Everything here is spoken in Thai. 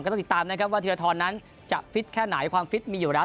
ต้องติดตามนะครับว่าธีรทรนั้นจะฟิตแค่ไหนความฟิตมีอยู่แล้ว